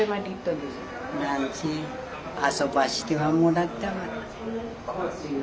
何せ遊ばせてはもらったわ。